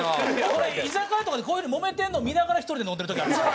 俺居酒屋とかでこういう風にもめてるの見ながら１人で飲んでる時あります。